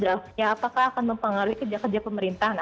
apakah akan mempengaruhi kerja kerja pemerintahan